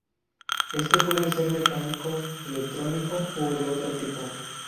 Este puede ser mecánico, electrónico o de otro tipo.